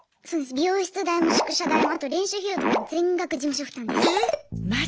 美容室代も宿舎代もあと練習費用とかも全額事務所負担です。